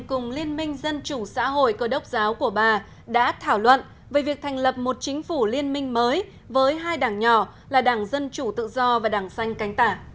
cùng liên minh dân chủ xã hội cơ đốc giáo của bà đã thảo luận về việc thành lập một chính phủ liên minh mới với hai đảng nhỏ là đảng dân chủ tự do và đảng xanh cánh tả